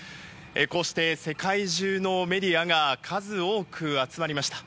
こうして世界中のメディアが数多く集まりました。